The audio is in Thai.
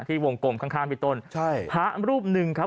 ที่วงกลมข้างไปต้นใช่พระรูปหนึ่งครับ